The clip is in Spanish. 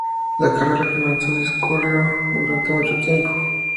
La carrera comenzó y discurrió durante mucho tiempo.